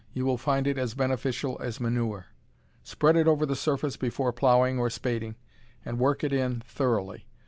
You will find it as beneficial as manure. Spread it over the surface before plowing or spading, and work it in thoroughly.